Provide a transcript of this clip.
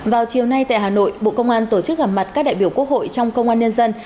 vào chiều nay tại hà nội bộ công an tổ chức gặp mặt các đại biểu quốc hội trong công an nhân dân